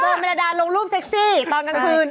เมรดาลงรูปเซ็กซี่ตอนกลางคืน